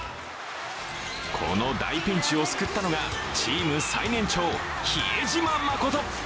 この大ピンチを救ったのがチーム最年長、比江島慎。